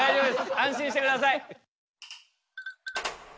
安心してください。